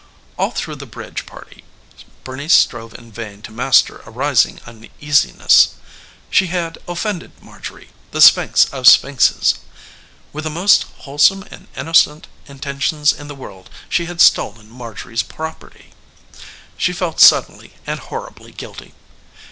All through the bridge party Bernice strove in vain to master a rising uneasiness. She had offended Marjorie, the sphinx of sphinxes. With the most wholesome and innocent intentions in the world she had stolen Marjorie's property. She felt suddenly and horribly guilty.